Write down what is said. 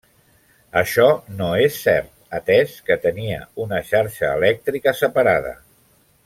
Això no és cert, atès que tenia una xarxa elèctrica separada.